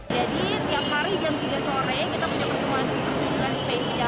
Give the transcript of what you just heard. jadi tiap hari jam tiga sore kita punya pertemuan pertunjukan spesial